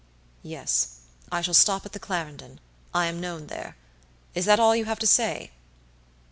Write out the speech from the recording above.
"Yes, I shall stop at the Clarendon; I am known there. Is that all you have to say?"